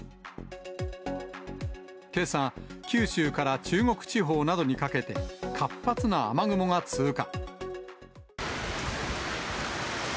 けさ、九州から中国地方などにかけて、活発な雨雲が通過。